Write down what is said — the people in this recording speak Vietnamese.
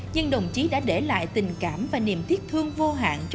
nhưng đồng chí đã để lại tình cảm và niềm thiết thương vô hạn cho đồng bào